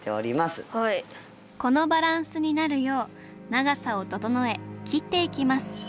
このバランスになるよう長さを整え切っていきます。